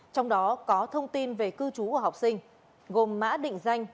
trong đó có thông tin về cư trú của học sinh gồm mã định danh